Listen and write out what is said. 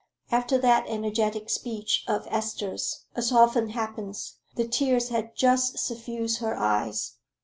After that energetic speech of Esther's, as often happens, the tears had just suffused her eyes.